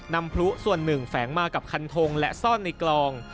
พลุส่วนหนึ่งแฝงมากับคันทงและซ่อนในกลอง